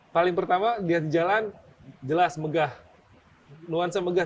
paling pertama jalan jelas megah nuansa megah